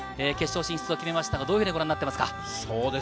決勝進出を決めましたが、どのようにご覧になっていますか？